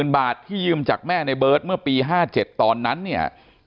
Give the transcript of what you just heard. บาทที่ยืมจากแม่ในเบิร์ตเมื่อปี๕๗ตอนนั้นเนี่ย